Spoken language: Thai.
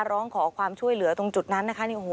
ร้องขอความช่วยเหลือตรงจุดนั้นนะคะ